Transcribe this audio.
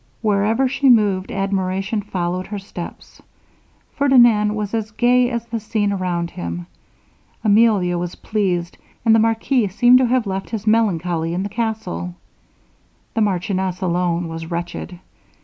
Wherever she moved, admiration followed her steps. Ferdinand was as gay as the scene around him. Emilia was pleased; and the marquis seemed to have left his melancholy in the castle. The marchioness alone was wretched.